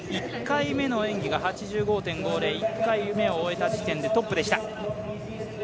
１回目の演技が８５．５０、１回目を終えた時点でトップでした。